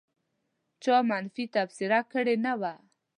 چا منفي تبصره کړې نه وه.